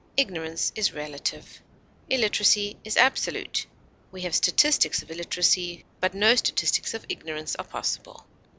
Ignorance is relative; illiteracy is absolute; we have statistics of illiteracy; no statistics of ignorance are possible.